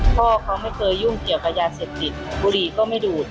พ่อเขาไม่เคยยุ่งเกี่ยวกับยาเสพติดบุรีก็ไม่ดูด